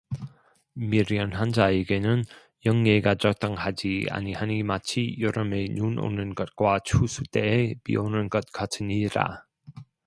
미련한 자에게는 영예가 적당하지 아니하니 마치 여름에 눈오는 것과 추수 때에 비오는 것 같으니라